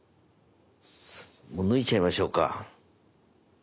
もう抜いちゃいましょうか。